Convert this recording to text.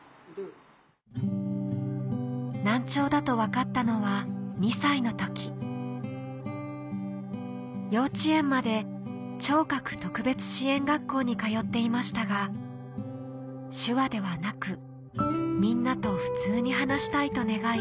難聴だと分かったのは２歳の時幼稚園まで聴覚特別支援学校に通っていましたが手話ではなくみんなと普通に話したいと願い